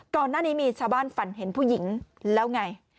ก่อนหน้านี้มีชาวบ้านฝันเห็นผู้หญิงแล้วไง